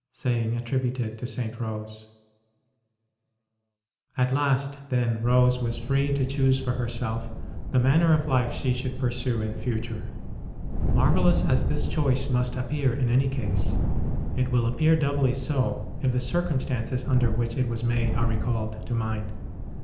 (Saying attributed to St. Rose.} |jT last, then, Rose was free to choose for herself the manner of life she should pursue in future. Marvellous as this choice must appear in any case, it will appear doubly so if the circumstances under which it was made are recalled to mind.